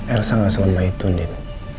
elsa gak selama itu din